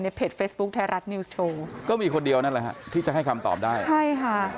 นั่นแหละที่จะให้คำตอบได้ใช่ค่ะ